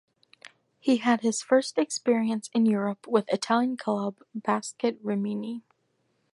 He had his first experience in Europe with Italian club Basket Rimini.